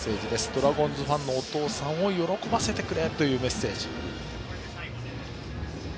ドラゴンズファンのお父さんを喜ばせてくれというメッセージ。